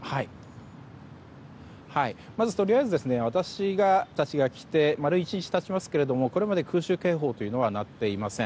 とりあえず、私たちが来て丸１日経ちますがこれまで空襲警報というのは鳴っていません。